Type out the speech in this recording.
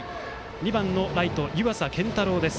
２番ライト、湯淺健太郎です。